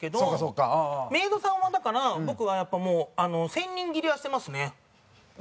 メイドさんはだから僕はやっぱもう１０００人斬りはしてますね。